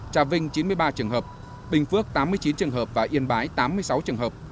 trà vinh chín mươi ba trường hợp bình phước tám mươi chín trường hợp và yên bái tám mươi sáu trường hợp